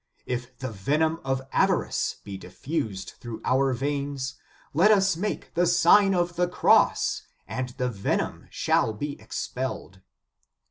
If the venom of avarice be diffused through our veins, let us make the Sign of the Cross, and the venom shall be expelled.